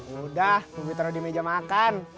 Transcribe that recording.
yaudah bubi taro di meja makan